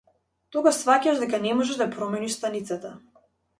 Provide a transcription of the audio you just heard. Тогаш сфаќаш дека не можеш да ја промениш станицата.